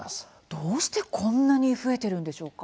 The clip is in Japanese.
どうしてこんなに増えているんでしょうか？